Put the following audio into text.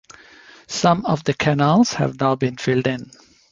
Some of the canals have now been filled in.